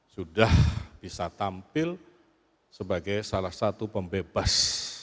sudah bisa tampil sebagai salah satu pembebas